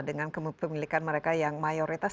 dengan kepemilikan mereka yang mayoritas